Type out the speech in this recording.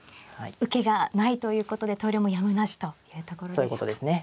受けがないということで投了もやむなしというところでしょうか。